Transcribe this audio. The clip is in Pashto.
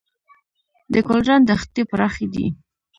د ګلران دښتې پراخې دي